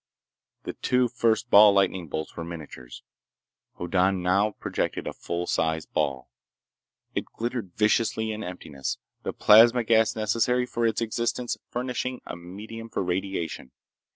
The two first ball lightning bolts were miniatures. Hoddan now projected a full sized ball. It glittered viciously in emptiness, the plasma gas necessary for its existence furnishing a medium for radiation.